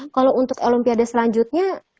kalau untuk olimpiade selanjutnya